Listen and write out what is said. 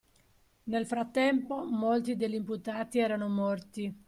Nel frattempo molti degli imputati erano morti